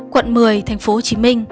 quận một mươi tp hcm